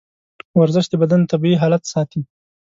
ورزش د بدن طبیعي حالت ساتي.